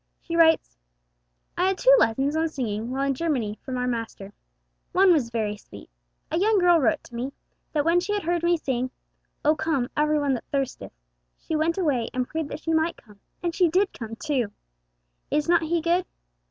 She writes: 'I had two lessons on singing while in Germany from our Master. One was very sweet. A young girl wrote to me, that when she had heard me sing, "O come, every one that thirsteth," she went away and prayed that she might come, and she did come, too. Is not He good?